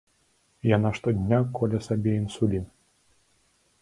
Яна штодня коле сабе інсулін.